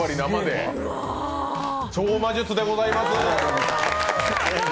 超魔術でございます。